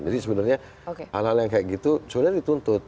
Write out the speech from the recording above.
jadi sebenarnya hal hal yang kayak gitu sebenarnya dituntut